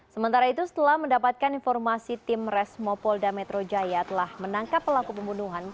sementara itu setelah mendapatkan informasi tim resmo polda metro jaya telah menangkap pelaku pembunuhan